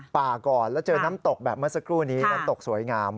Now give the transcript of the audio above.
ก่อนแล้วเจอน้ำตกแบบเมื่อสักครู่นี้น้ำตกสวยงาม